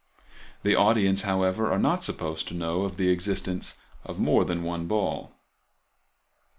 The audience, however, are not supposed to know of the existence of more than one ball.